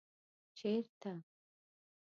ـ چېرته ؟